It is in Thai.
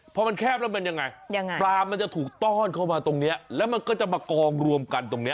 พอมันแคบแล้วมันยังไงปลามันจะถูกต้อนเข้ามาตรงนี้แล้วมันก็จะมากองรวมกันตรงนี้